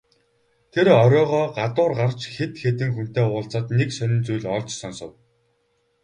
Тэр оройгоо гадуур гарч хэд хэдэн хүнтэй уулзаад нэг сонин зүйл олж сонсов.